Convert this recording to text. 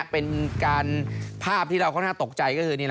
เป็นการภาพที่เราค่อนข้างตกใจก็คือ